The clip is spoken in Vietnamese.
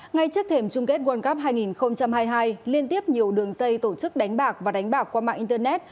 ngay trước thềm chung kết world cup hai nghìn hai mươi hai liên tiếp nhiều đường dây tổ chức đánh bạc và đánh bạc qua mạng internet